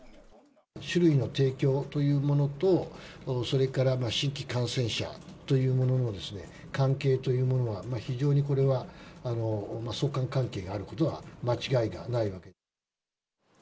酒類の提供というものと、それから新規感染者というものの関係というものは、非常にこれは、相関関係があることは間違いがないわけで。